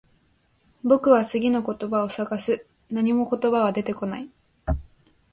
僕は次の言葉を探す。何も言葉は出てこない。